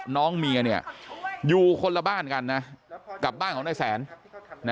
น้องเมียอยู่คนละบ้านกันนะกับบ้านของนายแสน